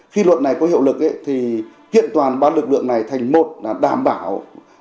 khi luật này có hiệu lực thì kiện toàn ba lực lượng này thành một là đảm bảo